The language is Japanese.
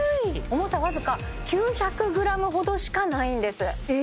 重さ僅か９００ｇほどしかないんですえ？